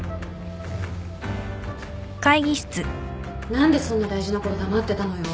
何でそんな大事なこと黙ってたのよ。